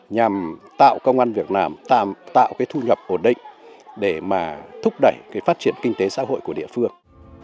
nhằm tạo công an việc làm tạo cái thu nhập ổn định để mà thúc đẩy cái phát triển kinh tế xã hội của địa phương